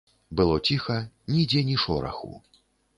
Было ціха, нідзе ні шораху.